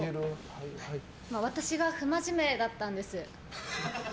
私が不真面目だったんです。